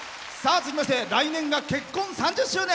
続きまして来年が結婚３０周年。